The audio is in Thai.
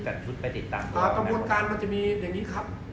จัดพุทธไปติดตามอ่ากรรมการมันจะมีในนี้ครับ